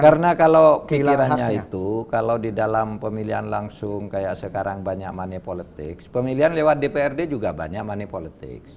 karena kalau pikirannya itu kalau di dalam pemilihan langsung kayak sekarang banyak money politics pemilihan lewat dprd juga banyak money politics